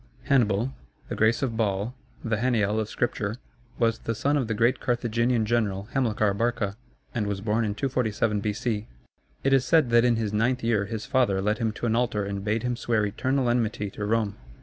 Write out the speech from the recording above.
] Hannibal (the grace of Baal, the Hanniel of Scripture) was the son of the great Carthaginian general Hamilcar Barca, and was born in 247 B.C. It is said that in his ninth year his father led him to an altar and bade him swear eternal enmity to Rome.